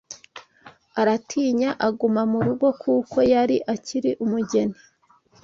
Aratinya: aguma mu rugo kuko yari akiri umugeni